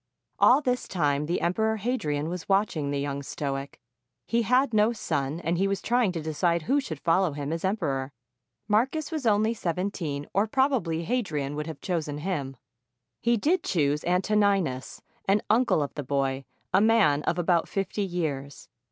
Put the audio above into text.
All this time the Emperor Hadrian was watching the young stoic. He had no son, and he was trying to decide who should follow him as emperor. Marcus was only seventeen, or probably Hadrian would have chosen him. He did choose Antoninus, an uncle of the boy, a man of about fifty years.